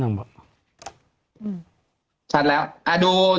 แต่หนูจะเอากับน้องเขามาแต่ว่า